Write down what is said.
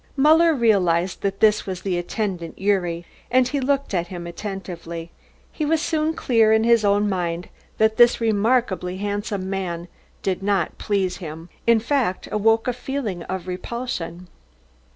Muller realised that this was the attendant Gyuri, and he looked at him attentively. He was soon clear in his own mind that this remarkably handsome man did not please him, in fact awoke in him a feeling of repulsion.